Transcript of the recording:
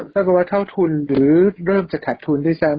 ตั้งแต่ว่าเท่าทุนหรือเริ่มจะขัดทุนที่สาม